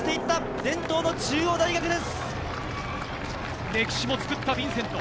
伝統の中央大学です。